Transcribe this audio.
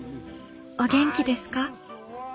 お元気ですか？